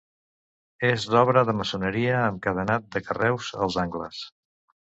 És d'obra de maçoneria amb cadenat de carreus als angles.